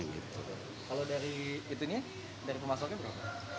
kalau dari itunya dari pemasoknya berapa